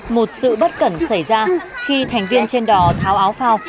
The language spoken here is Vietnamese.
một sự bất cẩn xảy ra khi thành viên trên đò tháo áo phao